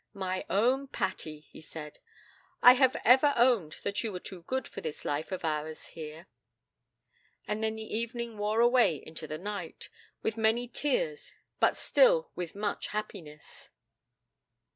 'My own Patty,' he said, 'I have ever known that you were too good for this life of ours here.' And then the evening wore away into the night, with many tears but still with much happiness.